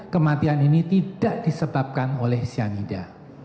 kematian ini tidak disebabkan oleh cyanida